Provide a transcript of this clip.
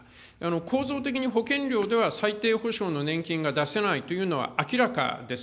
構造的に保険料では最低保障の年金が出せないというのは明らかです。